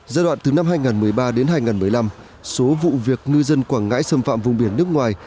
giai đoạn từ năm hai nghìn một mươi ba đến hai nghìn một mươi năm số vụ việc ngư dân quảng ngãi xâm phạm vùng biển nước ngoài